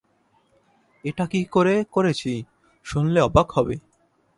এটা কী করে করেছি শুনলে অবাক হবে।